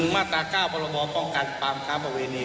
มาตรก้าวปรบป้องกันปรบค้าประเวณี